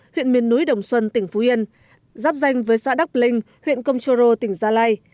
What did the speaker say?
huyện miền núi đồng xuân tỉnh phú yên giáp danh với xã đắk bình huyện công chô rô tỉnh gia lai